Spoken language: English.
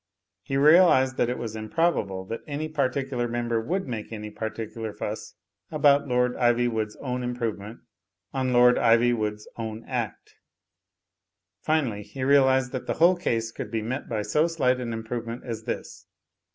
He realised that it was improbable that any particular member would make any particular fuss about Lord Iv)rwood's own improvement on Lord Ivjnvood's own Act Finally, he realised that the whole case could be met by so slight an improvement as this.